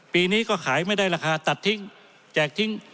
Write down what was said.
ปีนี้ก็ขายไม่ได้ราคาตัดทิ้งแจกทิ้ง